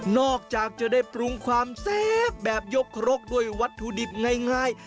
จากจะได้ปรุงความแซ่บแบบยกครกด้วยวัตถุดิบง่าย